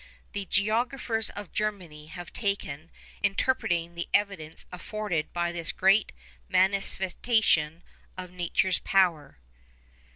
The geographers of Germany have taken a special interest in interpreting the evidence afforded by this great manifestation of nature's powers.